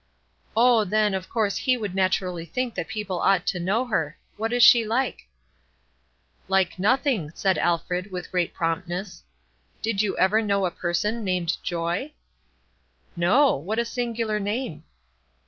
"Oh, then, of course he would think naturally that people ought to know her. What is she like?" "Like nothing," said Alfred, with great promptness. "Did you ever know a person named Joy?" "No; what a singular name."